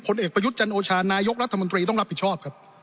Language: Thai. เอกประยุทธ์จันโอชานายกรัฐมนตรีต้องรับผิดชอบครับ